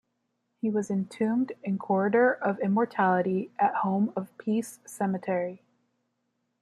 He was entombed in Corridor of Immortality at Home of Peace Cemetery.